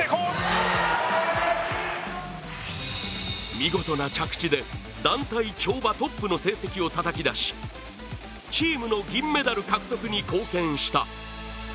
見事な着地で、団体跳馬トップの成績をたたき出しチームの銀メダル獲得に貢献した。